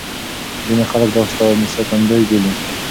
ځينې خلک دا ساتندوی بولي.